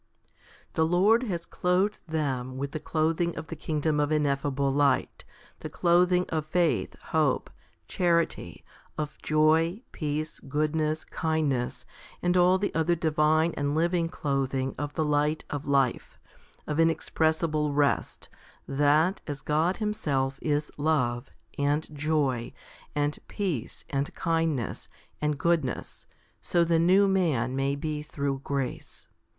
5. The Lord has clothed them with the clothing of the kingdom of ineffable light, the clothing of faith, hope, 1 i Thess. v. 5. HOMILY II 15 charity, of joy, peace, goodness, kindness, and all the other divine and living clothing of the light of life, of inexpressible rest, that, as God Himself is love, and joy, and peace, and kindness, and goodness, so the new man may be through grace.